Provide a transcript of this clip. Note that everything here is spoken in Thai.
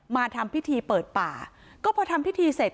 มาทำพิธีเปิดป่าก็พอทำพิธีเสร็จ